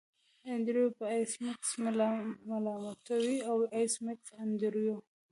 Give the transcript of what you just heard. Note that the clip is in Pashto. انډریو به ایس میکس ملامتوي او ایس میکس انډریو